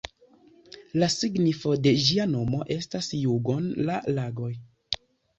La signifo de ĝia nomo estas "Jugon"-la-lagoj.